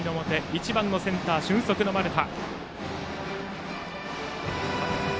１番センター、俊足の丸田。